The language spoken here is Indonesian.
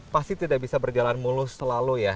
pasti tidak bisa berjalan mulus selalu ya